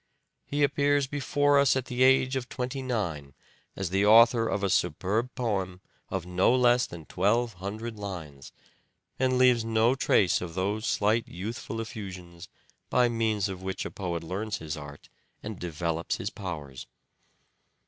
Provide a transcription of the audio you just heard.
He appears before us at the age of twenty nine as the author of a superb poem of no less than twelve hundred lines, and leaves no trace of those slight youth ful effusions by means of which a poet learns his art and develops his powers.